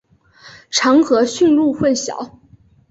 常和驯鹿混淆。